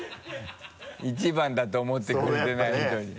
一番だと思ってくれてない人に。